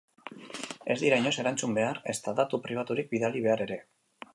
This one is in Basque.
Ez dira inoiz erantzun behar, ezta datu pribaturik bidali behar ere.